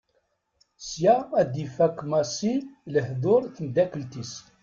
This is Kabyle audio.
Sya ad ifak Massi lehdur d temddakelt-is.